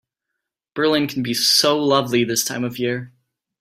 Berlin can be so lovely this time of year.